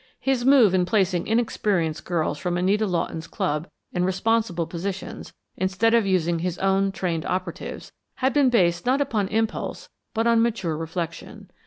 His move in placing inexperienced girls from Anita Lawton's club in responsible positions, instead of using his own trained operatives, had been based not upon impulse but on mature reflection.